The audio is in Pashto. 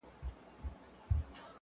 نه جوړ کړی کفن کښ پر چا ماتم وو-